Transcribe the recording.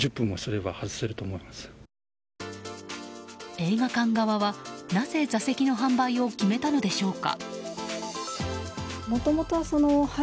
映画館側はなぜ座席の販売を決めたのでしょうか。